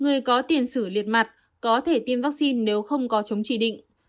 người có tiền sử liệt mặt có thể tiêm vaccine nếu không có chống chỉ định